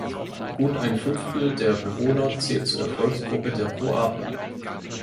Gut ein Fünftel der Bewohner zählt zur Volksgruppe der Kroaten.